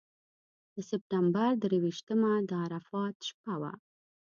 د سپټمبر درویشتمه د عرفات شپه وه.